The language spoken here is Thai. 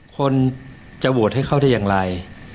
คนจะโหวตให้เขาได้อย่างไร